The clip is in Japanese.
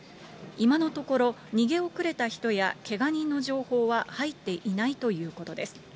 今のところ、逃げ遅れた人やけが人の情報は入っていないということです。